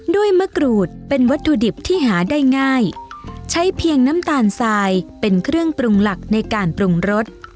มะกรูดเป็นวัตถุดิบที่หาได้ง่ายใช้เพียงน้ำตาลทรายเป็นเครื่องปรุงหลักในการปรุงรส